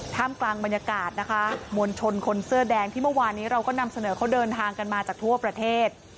กลางบรรยากาศนะคะมวลชนคนเสื้อแดงที่เมื่อวานนี้เราก็นำเสนอเขาเดินทางกันมาจากทั่วประเทศ